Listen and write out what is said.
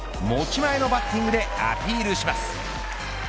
持ち前のバッティングでアピールします。